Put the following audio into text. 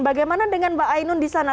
bagaimana dengan mbak ainun di sana